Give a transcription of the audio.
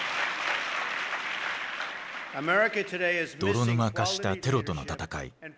泥沼化した「テロとの戦い」。